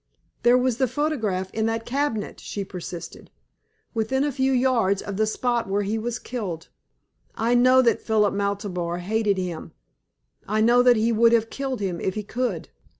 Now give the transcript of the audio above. "There was the photograph in that cabinet," she persisted "within a few yards of the spot where he was killed. I know that Philip Maltabar hated him. I know that he would have killed him if he could."